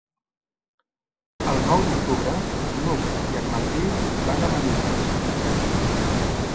El nou d'octubre n'Hug i en Martí van a Manises.